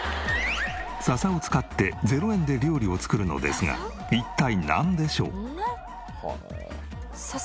笹を使って０円で料理を作るのですが一体なんでしょう？